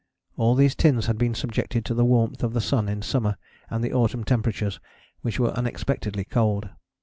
All these tins had been subjected to the warmth of the sun in summer and the autumn temperatures, which were unexpectedly cold.